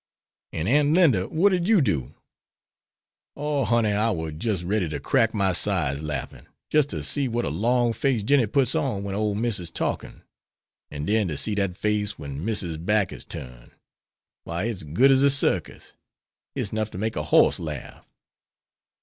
"And, Aunt Linda, what did you do?" "Oh, honey, I war jis' ready to crack my sides larffin, jis' to see what a long face Jinny puts on wen ole Miss is talkin', an' den to see dat face wen missus' back is turned, why it's good as a circus. It's nuff to make a horse larff."